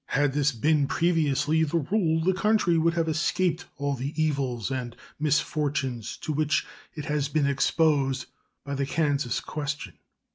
Had this been previously the rule, the country would have escaped all the evils and misfortunes to which it has been exposed by the Kansas question.